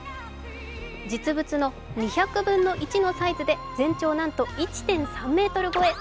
実物の２００分の１のサイズで、全長なんと１．３ｍ超え。